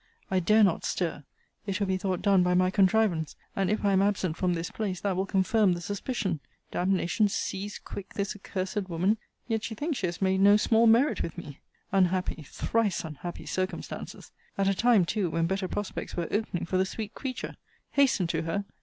I dare not stir. It will be thought done by my contrivance and if I am absent from this place, that will confirm the suspicion. Damnation seize quick this accursed woman! Yet she thinks she has made no small merit with me. Unhappy, thrice unhappy circumstances! At a time too, when better prospects were opening for the sweet creature! Hasten to her!